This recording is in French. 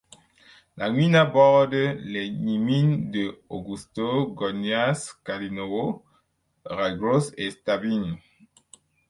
La gmina borde les gminy de Augustów, Goniądz, Kalinowo, Rajgród et Sztabin.